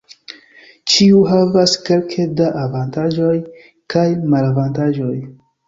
Ĉiu havas kelke da avantaĝoj kaj malavantaĝoj.